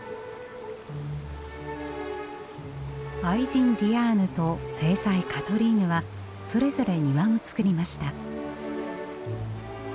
愛人ディアーヌと正妻カトリーヌはそれぞれ庭も作りました。